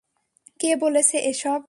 কে বলেছে এসব?